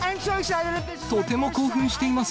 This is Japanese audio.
とても興奮しています。